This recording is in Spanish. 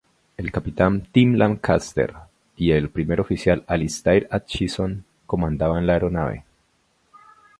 El capitán Tim Lancaster y el primer oficial Alistair Atchison comandaban la aeronave.